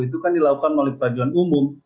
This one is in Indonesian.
itu kan dilakukan melalui peradilan umum